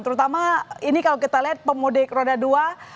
terutama ini kalau kita lihat pemudik roda dua